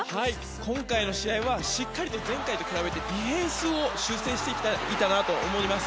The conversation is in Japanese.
今回の試合はしっかりと前回と比べてディフェンスを修正してきていたなと思います。